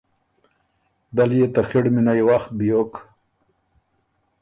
دل يې ته خِړ مِنئ وخت بیوک۔